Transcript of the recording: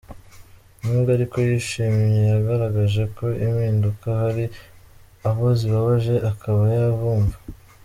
Nubwo ariko yishimye yagaragaje ko impinduka hari abo zibabaje, akaba yabumva.